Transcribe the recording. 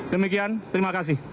demikian terima kasih